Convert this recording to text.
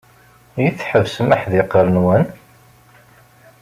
I tḥebsem aḥdiqer-nwen?